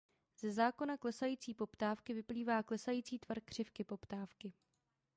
Ze zákona klesající poptávky vyplývá klesající tvar křivky poptávky.